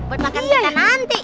buat makan makan nanti